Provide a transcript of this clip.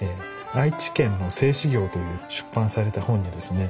「愛知県の製糸業」という出版された本にですね